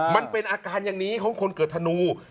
มันเป็นอาการอย่างนี้ของคนเกิดธนู